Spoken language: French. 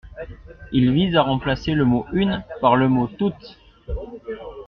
Il vise à remplacer le mot « une » par le mot « toute ».